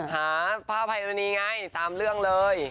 หาภาพรรณีไงตามเรื่องเลย